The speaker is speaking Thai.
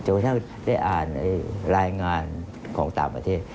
จน้ำได้อ่านรายงานของต่างประเทศ